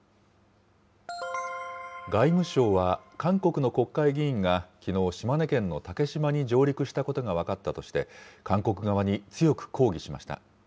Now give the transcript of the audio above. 外務省は、韓国の国会議員がきのう、島根県の竹島に上陸したことが分かったとして、韓国側に強く抗議しました。